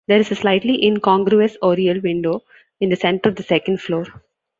There is a slightly incongruous oriel window in the centre of the second floor.